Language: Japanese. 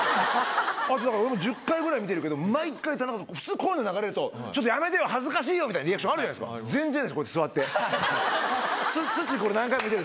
あとだから、俺も１０回ぐらい見てるけど、毎回、普通、こういうの流れると、ちょっとやめてよ、恥ずかしいよみたいなリアクションあるじゃないですか、全然です、こいつ、座って、ツッチー、これ何回見てる？